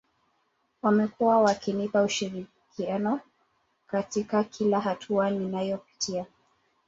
Wamekuwa wakinipa ushirikiano katika kila hatua ninayopitia